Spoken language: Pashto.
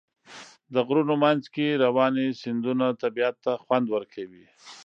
د غرونو منځ کې روانې سیندونه طبیعت ته خوند ورکوي.